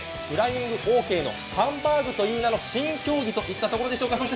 フライングオーケーの、ハンバーグという名の新競技といったところでしょうか。